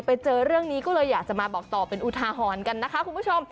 ไปเจอเรื่องนี้ก็เลยอยากจะมาบอกต่อเป็นอุทาหรณ์กันนะคะคุณผู้ชม